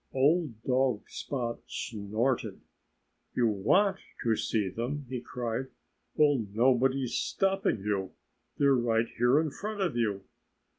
Old dog Spot snorted. "You want to see them!" he cried. "Well, nobody's stopping you. They're right here in front of you!"